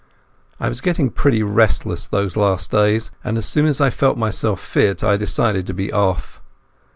I was getting restless those last days, and as soon as I felt myself fit I decided to be off.